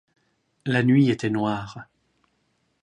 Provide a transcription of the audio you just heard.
La nuit était noire